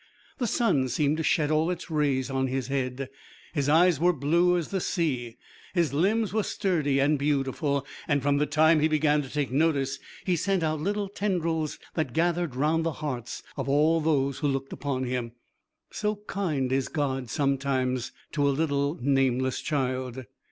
The sun seemed to shed all its rays on his head; his eyes were blue as the sea; his limbs were sturdy and beautiful, and from the time he began to take notice he sent out little tendrils that gathered round the hearts of all those who looked upon him. So kind is God sometimes to a little nameless child.